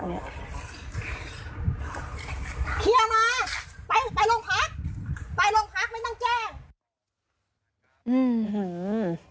เฮียนะไปลงพักไปลงพักไม่ต้องแจ้ง